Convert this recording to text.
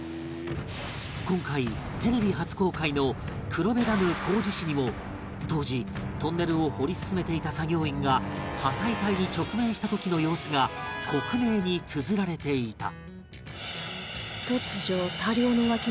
今回テレビ初公開の黒部ダム工事誌にも当時トンネルを掘り進めていた作業員が破砕帯に直面した時の様子が克明につづられていた